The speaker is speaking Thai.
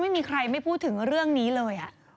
ไม่มีใครไม่พูดถึงเรื่องนี้เลย